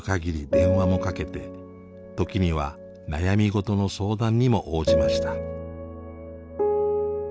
電話もかけて時には悩み事の相談にも応じました。